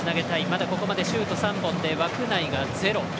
まだ、ここまでシュート３本で枠内が０。